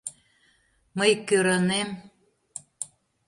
Мый... кӧранем.